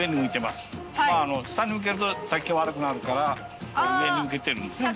下に向けると先が悪くなるから上に向けてるんですね。